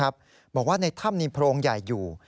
บอกว่าในถ้ำมีโพรงใหญ่อยู่